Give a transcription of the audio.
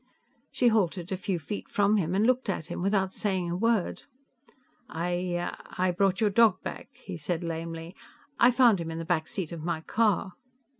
She halted a few feet from him and looked at him without saying a word. "I ... I brought your dog back," he said lamely. "I found him in the back seat of my car."